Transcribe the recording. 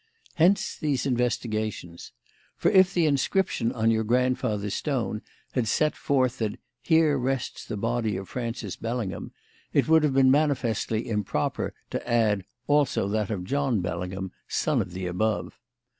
Hence these investigations. For if the inscription on your grandfather's stone had set forth that 'here rests the body of Francis Bellingham,' it would have been manifestly improper to add 'also that of John Bellingham, son of the above.'